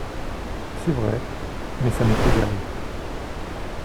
C’est vrai… mais ça m’est égal…